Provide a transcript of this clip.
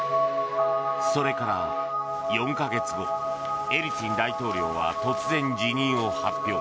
それから４か月後エリツィン大統領は突然、辞任を発表。